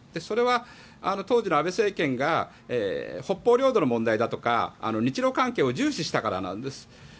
それは、当時の安倍政権が北方領土の問題だとか日露関係を重視したからなんです。